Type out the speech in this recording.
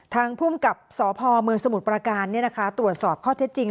ทางภูมิกับสพเมืองสมุทรประการตรวจสอบข้อเท็จจริง